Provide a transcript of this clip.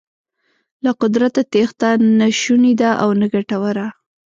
له قدرته تېښته نه شونې ده او نه ګټوره.